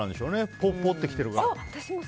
ポ、ポって来てるから。